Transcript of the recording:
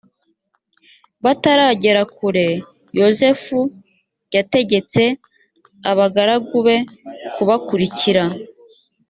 bataragera kure yozefu yategetse abagaragu be kubakurikira